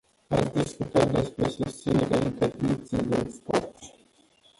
Ați discutat despre susținerea interdicției de export.